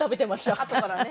あとからね。